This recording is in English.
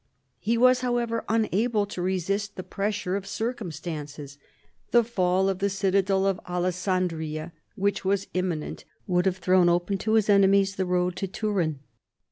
He was, however, unable to resist the pressure of circumstances. The fall of the citadel of Alessandria, which was imminent, would have thrown open to his enemies the road to Turin.